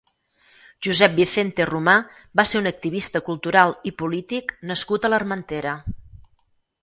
Josep Vicente Romà va ser un activista cultural i polític nascut a l'Armentera.